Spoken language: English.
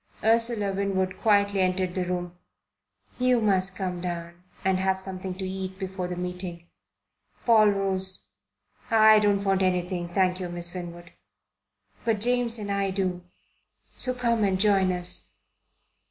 Ursula Winwood quietly entered the room. "You must come down and have something to eat before the meeting." Paul rose. "I don't want anything, thank you, Miss Winwood." "But James and I do. So come and join us."